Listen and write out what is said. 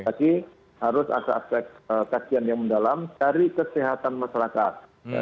jadi harus ada aspek kajian yang mendalam dari kesehatan masyarakat